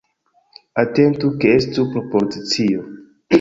Atentu ke estu propozicio.